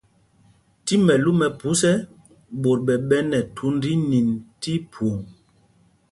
Tí mɛlú mɛ phus ɛ, ɓot ɓɛ̂ ɓɛ nɛ thund ínîn tí phwoŋ.